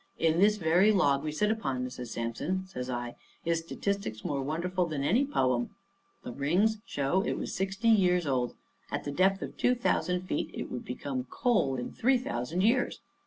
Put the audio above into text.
In this very log we sit upon, Mrs. Sampson," says I, "is statistics more wonderful than any poem. The rings show it was sixty years old. At the depth of two thousand feet it would become coal in three thousand years.